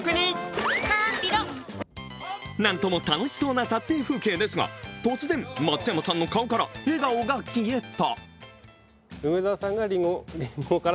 なんとも楽しそうな撮影風景ですが突然、松山さんの顔から笑顔が消えた。